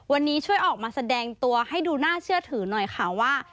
วันนี้ช่วยออกมาแสดงตัวให้ดูน่าเชื่อถือหน่อยค่ะว่า